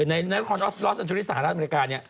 ในรายละครออสลอสอันชูนิสสหรัฐอเมริกา